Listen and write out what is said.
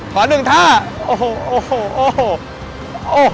ถอนหนึ่งท่าโอ้โหโอ้โหโอ้โห